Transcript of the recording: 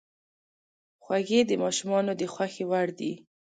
خوږې د ماشومانو د خوښې وړ دي.